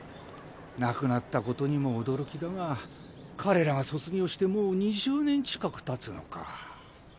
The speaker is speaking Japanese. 亡くなったことにも驚きだが彼らが卒業してもう２０年近くたつのか。